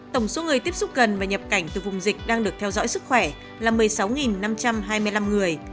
tổng số người tiếp xúc gần và nhập cảnh từ vùng dịch đang được theo dõi sức khỏe là một mươi sáu năm trăm hai mươi năm người